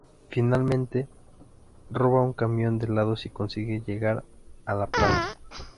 Finalmente, roba un camión de helados y consigue llegar a la Planta.